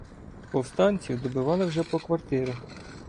Повстанців добивали вже по квартирах.